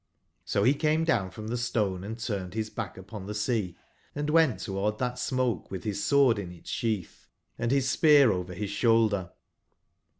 So he came down from the stone & turned his back upon the sea and went toward that smoke with his sword in its sheath, and his spear over his shoulder.